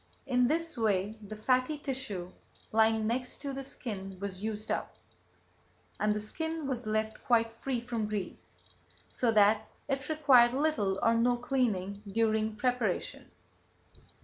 In this way the fatty tissue lying next to the skin was used up, and the skin was left quite free from grease, so that it required little or no cleaning during preparation.